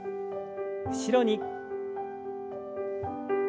後ろに。